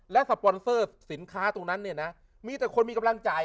และสปอนเซอร์สินค้าตรงนั้นเนี่ยนะมีแต่คนมีกำลังจ่าย